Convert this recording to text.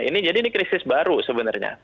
ini jadi ini krisis baru sebenarnya